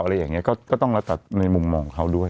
อะไรอย่างนี้ก็ต้องแล้วแต่ในมุมมองเขาด้วย